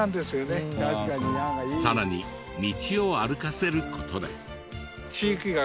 さらに道を歩かせる事で。